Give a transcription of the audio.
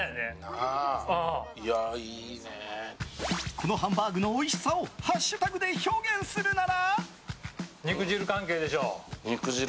このハンバーグのおいしさをハッシュタグで表現するなら？